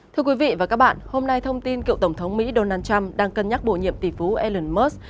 thưa quý vị và các bạn hôm nay thông tin cựu tổng thống mỹ donald trump đang cân nhắc bổ nhiệm tỷ phú elon musk